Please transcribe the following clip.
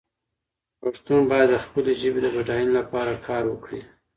پښتون باید د خپلې ژبې د بډاینې لپاره کار وکړي.